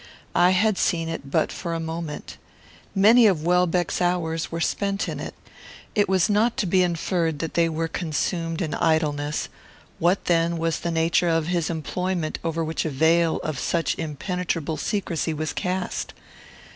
I had seen it but for a moment. Many of Welbeck's hours were spent in it. It was not to be inferred that they were consumed in idleness: what then was the nature of his employment over which a veil of such impenetrable secrecy was cast?